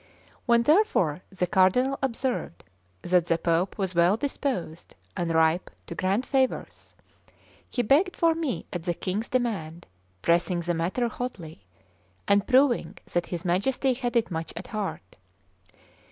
When, therefore, the Cardinal observed that the Pope was well disposed, and ripe to grant favours, he begged for me at the King's demand, pressing the matter hotly, and proving that his Majesty had it much at heart.